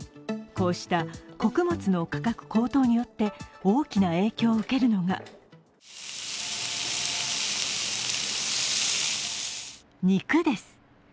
こうした穀物の価格高騰によって大きな影響を受けるのが肉です。